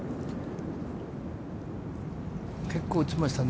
結構打ちましたね。